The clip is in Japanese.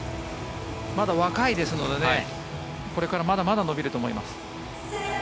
まだ若いですのでこれからまだまだ伸びると思います。